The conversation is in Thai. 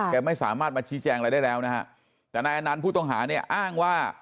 ไม่สามารถมาชี้แจงอะไรได้แล้วนะฮะแต่นายอนันต์ผู้ต้องหาเนี่ยอ้างว่า